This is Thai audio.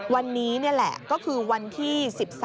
วันนี้นี่แหละก็คือวันที่๑๓